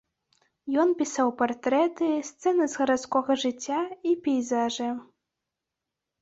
Ён пісаў партрэты, сцэны з гарадскога жыцця і пейзажы.